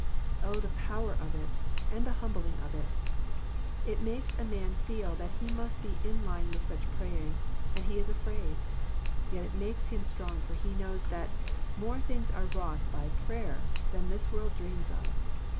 Oh, the power of it, and the humbling of it ! It makes a man feel that he must be in line with such praying, and he is afraid, f Yet it makes him strong for he knows that " more things are wrought by prayer than this world dreams of."